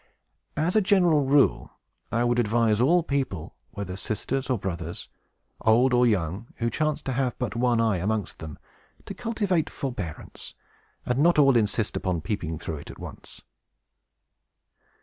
As a general rule, I would advise all people, whether sisters or brothers, old or young, who chance to have but one eye amongst them, to cultivate forbearance, and not all insist upon peeping through it at once.